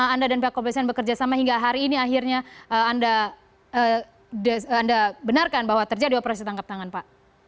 anda dan pihak kepolisian bekerjasama hingga hari ini akhirnya anda benarkan bahwa terjadi operasi tangkap tangan pak